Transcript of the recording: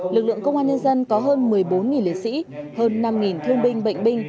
lực lượng công an nhân dân có hơn một mươi bốn liệt sĩ hơn năm thương binh bệnh binh